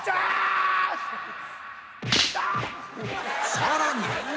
さらに